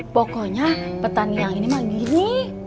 pokoknya petani yang ini mah gini